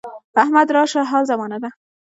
احمد راشه حال زمانه ده.